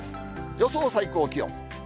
予想最高気温。